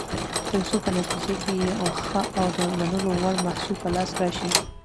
ترڅو په نتیجه کې یو ښه او د منلو وړ محصول په لاس راشي.